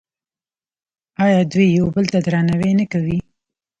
آیا دوی یو بل ته درناوی نه کوي؟